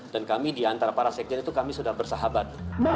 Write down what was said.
dan kami di antara para sekjen itu kami sudah bersahabat